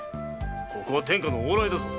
ここは天下の往来だぞ。